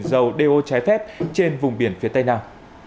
dầu đeo trái phép trên vùng biển phía tây nam